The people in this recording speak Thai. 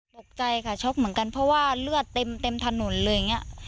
ตกใจค่ะช็อกเหมือนกันเพราะว่าเลือดเต็มถนนเลยอย่างนี้